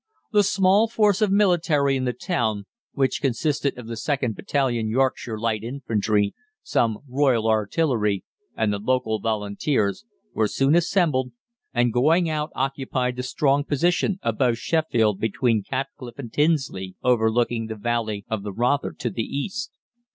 The small force of military in the town, which consisted of the 2nd Battalion Yorkshire Light Infantry, some Royal Artillery, and the local Volunteers, were soon assembled, and going out occupied the strong position above Sheffield between Catcliffe and Tinsley, overlooking the valley of the Rother to the east.